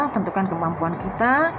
tentukan kemampuan kita